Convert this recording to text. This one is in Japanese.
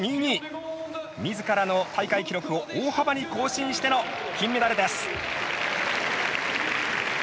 みずからの大会記録を大幅に更新しての金メダルです。